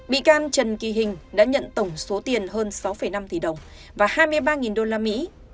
bị can trần kỳ hình đã nhận tổng số tiền hơn sáu năm tỷ đồng và hai mươi ba usd